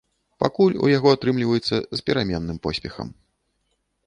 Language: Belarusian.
Пакуль у яго атрымліваецца з пераменным поспехам.